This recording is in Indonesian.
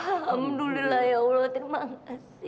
alhamdulillah ya allah terima kasih